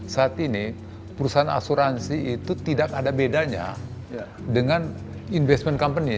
saat ini perusahaan asuransi itu tidak ada bedanya dengan investment company